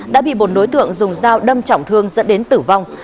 đã bị một đối tượng dùng dao đâm trọng thương dẫn đến tử vong